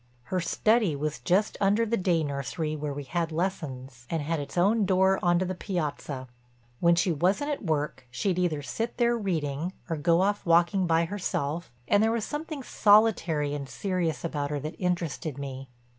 Her study was just under the day nursery where we had lessons and had its own door on to the piazza. When she wasn't at work, she'd either sit there reading or go off walking by herself and there was something solitary and serious about her that interested me.